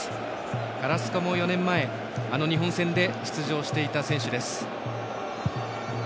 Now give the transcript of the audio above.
カラスコも４年前、あの日本戦で出場していた選手です。